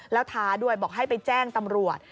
แล้วท้าด้วยบอกให้ไปแจ้งตำรวจ